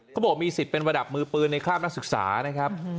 เขาบอกมีสิทธิ์เป็นระดับมือปืนในคราบนักศึกษานะครับ